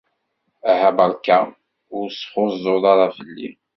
Aha beṛka ur sxuzzuḍ ara fell-i!